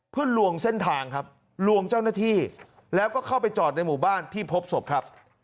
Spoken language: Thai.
เพื่อลวงเส้นทางครับลวงเจ้าหน้าที่แล้วก็เข้าไปจอดในหมู่บ้านที่พบศพครับ